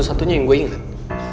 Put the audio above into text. besar sekali ya cuma si mata imu